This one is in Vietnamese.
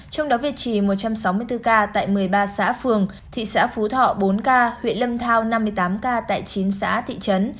trong đó việt trì một trăm sáu mươi bốn ca tại một mươi ba xã phường thị xã phú thọ bốn ca huyện lâm thao năm mươi tám ca tại chín xã thị trấn